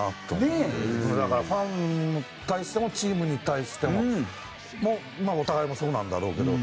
だからファンに対してもチームに対してもお互いもそうなんだろうけど。